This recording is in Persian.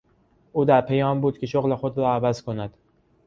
او در پی آن بود که شغل خود را عوض کند.